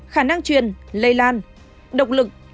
khả năng truyền lây lan độc lực